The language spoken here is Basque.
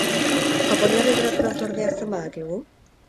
Japoniar literaturaz ordea, zenbat dakigu?